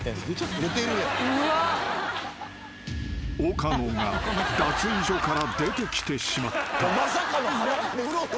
［岡野が脱衣所から出てきてしまった］